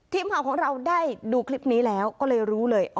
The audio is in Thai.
ทีมข่าวของเราได้ดูคลิปนี้แล้วก็เลยรู้เลย